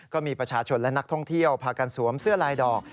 ก็มีประชาชนและนักท่องเที่ยวพากันสวมเสื้อลายดอก